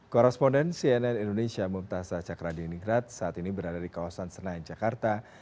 korresponden cnn indonesia mumtazah chakradinikrat saat ini berada di kawasan senayan jakarta